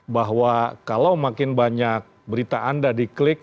bahwa kalau makin banyak berita anda di klik